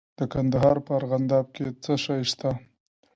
د کندهار په ارغنداب کې څه شی شته؟